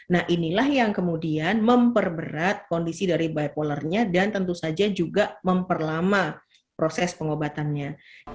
nah inilah yang kemudian memperberat kondisi dari bipolarnya dan tentu saja juga memperlama proses pengobatannya